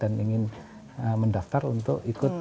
dan ingin mendaftar untuk ikut